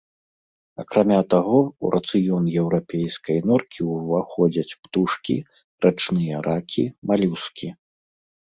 Акрамя таго, у рацыён еўрапейскай норкі ўваходзяць птушкі, рачныя ракі, малюскі.